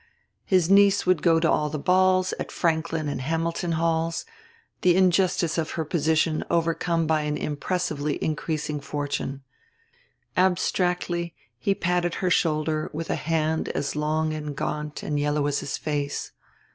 His niece would go to all the balls at Franklin and Hamilton Halls, the injustice of her position overcome by an impressively increasing fortune. Abstractly he patted her shoulder with a hand as long and gaunt and yellow as his face.